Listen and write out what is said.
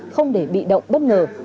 không để bị động bất ngờ